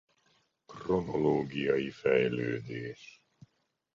Kronológiai fejlődés.